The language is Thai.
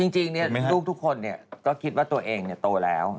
จริงลูกทุกคนก็คิดว่าตัวเองโตแล้ว